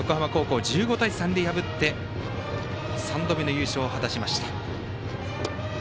決勝で横浜高校を１５対３で破って３度目の優勝を飾りました。